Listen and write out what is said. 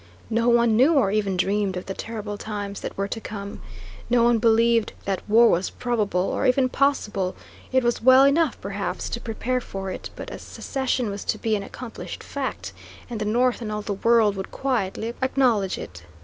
No one knew or even dreamed of the terrible times that were to come. No one believed that war was probable, or even possible; it was well enough, perhaps, to prepare for it; but secession was to be an accomplished fact, and the North and all the world would quietly acknowledge it.